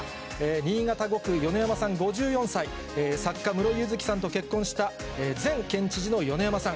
新潟５区、米山さん５４歳、作家、室井佑月さんと結婚した前県知事の米山さん。